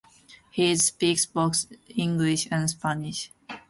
He is speaks both English and Spanish.